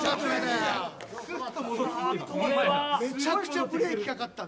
めちゃくちゃブレーキかかったで。